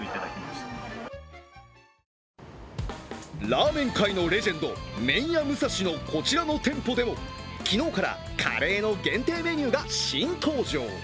ラーメン界のレジェンド麺屋武蔵のこちらの店舗でも、昨日からカレーの限定メニューが新登場。